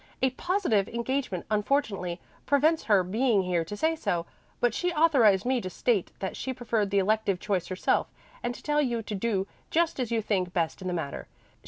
"A positive engagement unfortunately prevents her being here to say so, but she authorized me to state that she preferred the elective choice herself, and to tell you to do just as you think best in the matter.